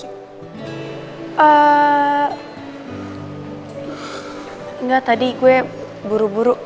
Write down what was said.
enggak tadi gue buru buru